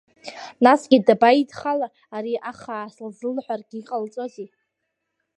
Насгьы, дабаидхала ари ахаас лзылҳәаргьы, иҟалҵози.